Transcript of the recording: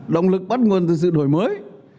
đồng lực bắt nguồn từ sự đổi mới